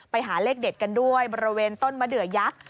ไปหาเลขเด็ดกันด้วยบริเวณต้นมะเดือยักษ์